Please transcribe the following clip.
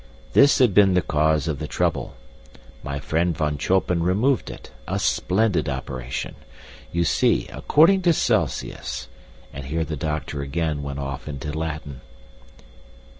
This had been the cause of the trouble. My friend Von Choppem removed it a splendid operation! You see, according to Celsius " And here the doctor again went off into Latin.